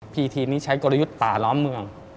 ีทีมนี้ใช้กลยุทธ์ป่าล้อมเมือง